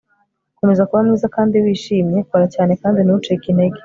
komeza kuba mwiza kandi wishimye. kora cyane kandi ntucike intege